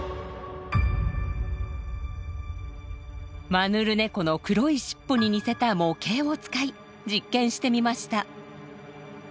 マヌルネコの黒い尻尾に似せた模型を使い実験してみました。